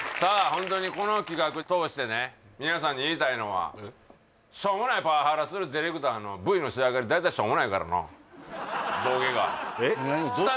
ホントにこの企画通してね皆さんに言いたいのはしょうもないパワハラするディレクターのＶの仕上がり大体しょうもないからのボケが何どうした？